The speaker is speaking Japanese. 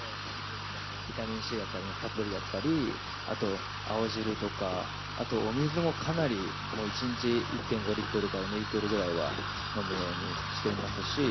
ビタミンＣだったりのサプリだったり、あと青汁とか、あとお水もかなり、もう、１日１．５リットルから２リットルぐらいは飲むようにしています